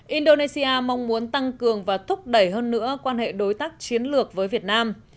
indonesia mong muốn tăng cường và thúc đẩy hơn nữa quan hệ đối tác chiến lược với việt nam